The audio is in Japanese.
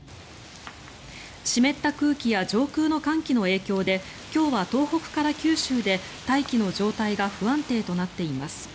湿った空気や上空の寒気の影響で今日は東北から九州で大気の状態が不安定となっています。